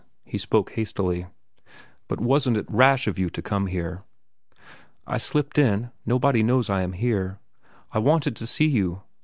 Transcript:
He spoke hastily. "But wasn't it rash of you to come here?" "I slipped in. Nobody knows I am here. I wanted to see you.